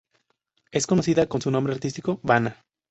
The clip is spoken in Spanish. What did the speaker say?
Es conocida con su nombre artístico Vanna.